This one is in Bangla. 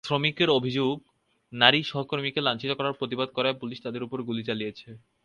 শ্রমিকদের অভিযোগ, নারী সহকর্মীকে লাঞ্ছিত করার প্রতিবাদ করায় পুলিশ তাঁদের ওপর গুলি চালিয়েছে।